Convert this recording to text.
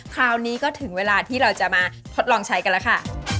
คราวนี้ก็ถึงเวลาที่เราจะมาทดลองใช้กันแล้วค่ะ